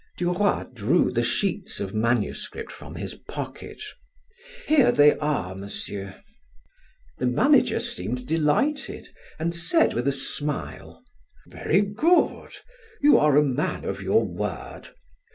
Duroy drew the sheets of manuscript from his pocket. "Here they are, Monsieur." The manager seemed delighted and said with a smile: "Very good. You are a man of your word.